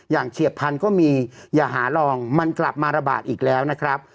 เฉียบพันธุ์ก็มีอย่าหาลองมันกลับมาระบาดอีกแล้วนะครับ